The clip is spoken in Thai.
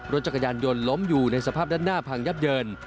รถจักรยานยนต์ล้มอยู่ในสภาพด้านหน้าพังยับเยิน